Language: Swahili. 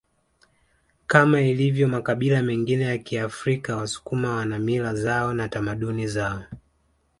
Kama ilivyo makabila mengine ya Kiafrika wasukuma wana mila zao na tamaduni zao